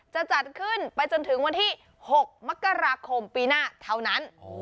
จะจัดขึ้นไปจนถึงวันที่๖มกราคมปีหน้าเท่านั้น